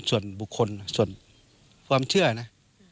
ส่วนบุคคลส่วนความเชื่อนะ